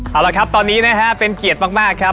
เอาละครับตอนนี้นะฮะเป็นเกียรติมากครับ